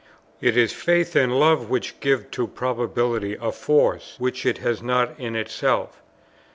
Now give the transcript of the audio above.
It is faith and love which give to probability a force which it has not in itself.